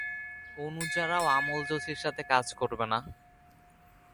অনুযা রাও আমল যোশির সাথে কাজ করবে না।